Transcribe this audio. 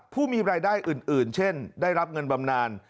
ผู้มีรายได้อื่นเช่นได้รับเงินบำนาน